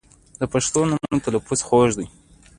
• د پښتو نومونو تلفظ خوږ دی.